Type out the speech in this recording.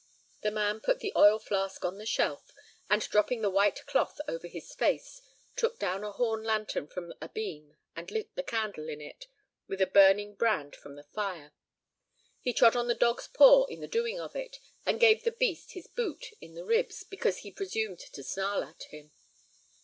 The man put the oil flask on the shelf, and, dropping the white cloth over his face, took down a horn lantern from a beam and lit the candle in it with a burning brand from the fire. He trod on the dog's paw in the doing of it, and gave the beast his boot in the ribs because he presumed to snarl at him.